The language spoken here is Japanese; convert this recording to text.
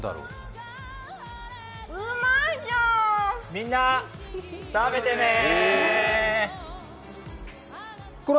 みんなー、食べてねー。